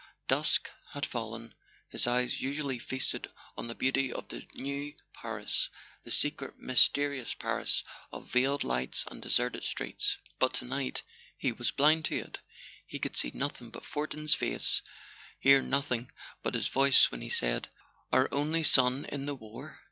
Dusk had fallen. His eyes usually feasted on the beauty of the new Paris, the secret mysterious Paris of veiled lights and deserted streets; but to night he was blind to it. He could see nothing but Fortin's face, hear nothing but his voice when he said: "Our only son in the war."